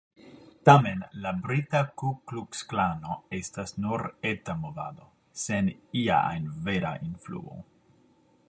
Tamen, la brita Ku-Kluks-Klano estas nur eta movado, sen ia ajn vera influo.